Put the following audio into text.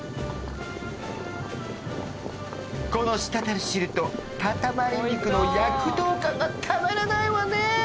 この滴る汁とかたまり肉の躍動感がたまらないわね